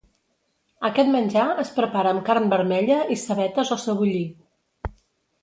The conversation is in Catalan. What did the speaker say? Aquest menjar es prepara amb carn vermella i cebetes o cebollí.